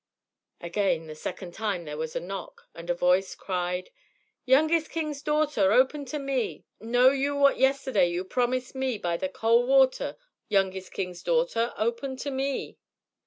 Again, the second time there was a knock, and a voice cried: "Youngest king's daughter, Open to me; Know you what yesterday You promised me, By the cool water? Youngest king's daughter Open to me."